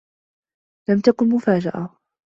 لم تكن مفاجأة.